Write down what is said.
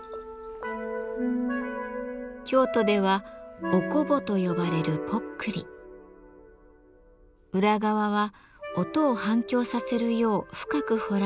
京都では「おこぼ」と呼ばれる裏側は音を反響させるよう深く彫られ鼻緒に鈴が結ばれています。